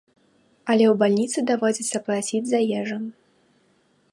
Але ў бальніцы даводзіцца плаціць за ежу.